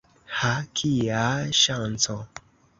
Ha! kia ŝanco!